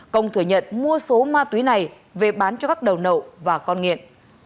công thừa nhận mua số ma túy này về bán cho các đầu nậu và con nghiện